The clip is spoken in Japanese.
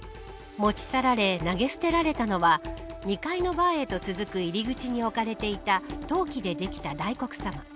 持ち去られ投げ捨てられたのは２階のバーへと続く入り口に置かれていた陶器でできた大黒様。